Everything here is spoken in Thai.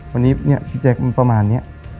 วันนี้เนี่ยพี่แจ๊คมันประมาณนี้